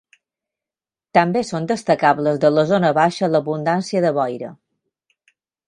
També són destacables de la zona baixa l'abundància de boira.